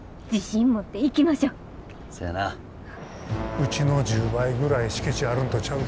うちの１０倍ぐらい敷地あるんとちゃうか？